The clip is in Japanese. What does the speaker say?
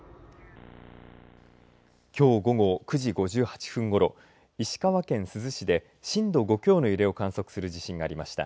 きょう午後９時５８分ごろ石川県珠洲市で震度５強の揺れを観測する地震がありました。